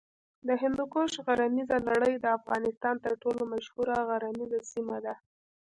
د هندوکش غرنیزه لړۍ د افغانستان تر ټولو مشهوره غرنیزه سیمه ده.